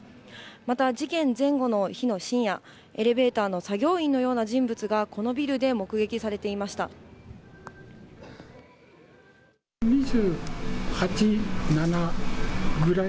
また、事件前後の日の深夜、エレベーターの作業員のような人物がこのビルで目撃されていまし２８、７ぐらい。